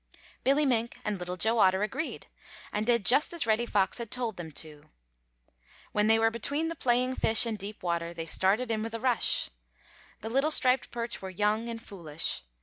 Billy Mink and little Joe Otter agreed, and did just as Reddy Fox had told them to. When they were between the playing fish and deep water they started in with a rush. The little striped perch were young and foolish.